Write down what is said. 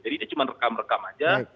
jadi dia cuma rekam rekam aja